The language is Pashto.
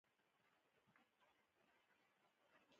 د بېلګې په توګه که یو کس زیات غسه شي